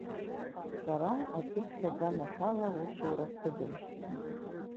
Сара акьыԥхь аганахьала аусура сыдын.